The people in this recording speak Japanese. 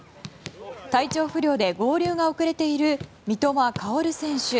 体調不良で合流が遅れている三笘薫選手。